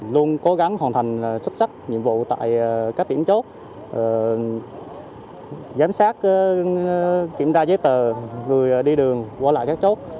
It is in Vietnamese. luôn cố gắng hoàn thành xuất sắc nhiệm vụ tại các điểm chốt giám sát kiểm tra giấy tờ người đi đường qua lại các chốt